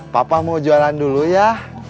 papa mau jualan dulu ya